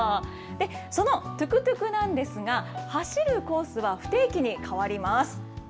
そのトゥクトゥクなんですが、走るコースは不定期に変わります。